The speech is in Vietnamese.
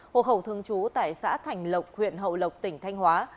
hộ khẩu thương chú tại xã thành lộc huyện hậu lộc tỉnh thanh hóa